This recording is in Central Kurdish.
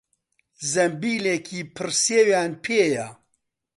زەمبیلێکی پڕ سێویان پێیە.